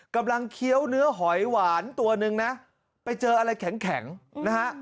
เคี้ยวเนื้อหอยหวานตัวหนึ่งนะไปเจออะไรแข็งนะฮะ